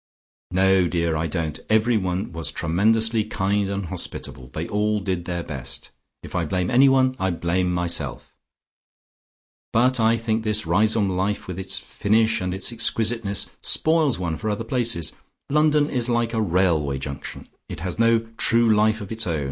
"No, dear, I don't. Everyone was tremendously kind and hospitable; they all did their best. If I blame anyone, I blame myself. But I think this Riseholme life with its finish and its exquisiteness spoils one for other places. London is like a railway junction: it has no true life of its own.